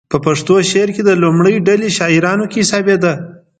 په پښتو شعر کې د لومړۍ ډلې شاعرانو کې حسابېده.